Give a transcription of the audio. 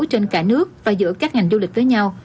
trên cả nước và giữa các ngành du lịch với nhau